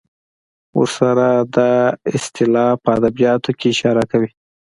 ورسره دا اصطلاح په ادبیاتو کې اشاره کوي.